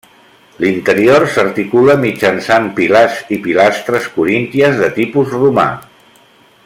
L'interior s'articula mitjançant pilars i pilastres corínties de tipus romà.